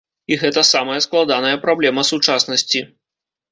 І гэта самая складаная праблема сучаснасці.